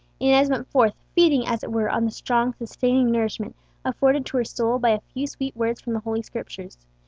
Inez went forth, feeding, as it were, on the strong, sustaining nourishment afforded to her soul by a few sweet words from the Holy Scriptures.